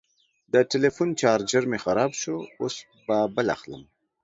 د ټلیفون چارجر مې خراب شو، اوس به بل اخلم.